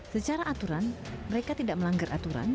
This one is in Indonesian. secara aturan mereka tidak melanggar aturan